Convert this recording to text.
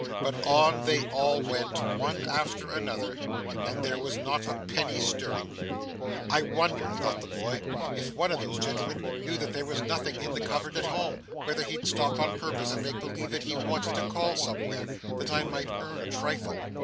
But on they all went, one after another, and there was not a penny stirring. 'I wonder,' thought the boy, 'if one of these gentlemen knew there was nothing in the cupboard at home, whether he'd stop on purpose, and make believe that he wanted to call somewhere, that I might earn a trifle?